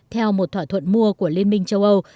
theo một thỏa thuận mua của liên minh châu âu